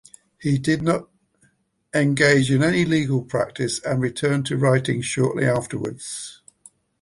He did not engage in any legal practice and returned to writing shortly afterwards.